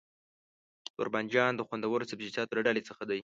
توربانجان د خوندورو سبزيجاتو له ډلې څخه دی.